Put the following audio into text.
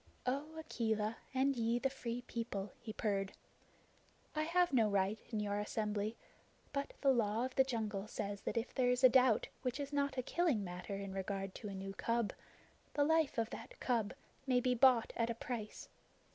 "O Akela, and ye the Free People," he purred, "I have no right in your assembly, but the Law of the Jungle says that if there is a doubt which is not a killing matter in regard to a new cub, the life of that cub may be bought at a price.